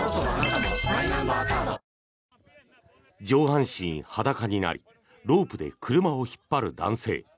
上半身裸になりロープで車を引っ張る男性。